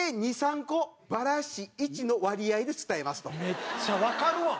めっちゃわかるわ！